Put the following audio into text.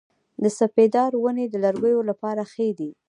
د سپیدار ونې د لرګیو لپاره ښې دي؟